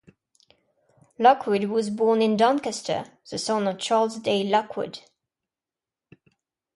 Lockwood was born in Doncaster, the son of Charles Day Lockwood.